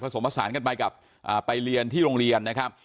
ผสมผสานกันไปกับไปเรียนที่โรงเรียนนะครับ